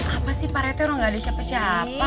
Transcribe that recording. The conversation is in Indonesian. apa sih pak rt orang nggak ada siapa siapa